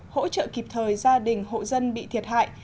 hỗ trợ kịp thời gia đình hộ dân bị thiệt hại